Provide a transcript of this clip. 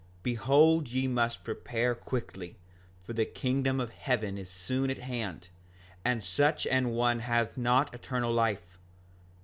Behold ye must prepare quickly; for the kingdom of heaven is soon at hand, and such an one hath not eternal life.